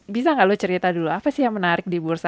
bisa gak lu cerita dulu apa sih yang menarik di bursa